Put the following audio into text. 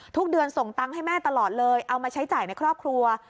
ทุกเดือนส่งตังค์ให้แม่ตลอดเลยเอามาใช้จ่ายในครอบครัว